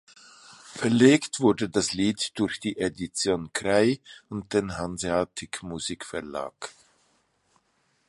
Verlegt wurde das Lied durch die Edition Kray und den Hanseatic Musikverlag.